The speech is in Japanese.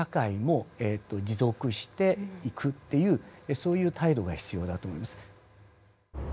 そういう態度が必要だと思います。